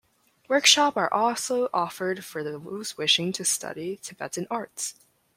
Workshop are also offered for those wishing to study Tibetan arts.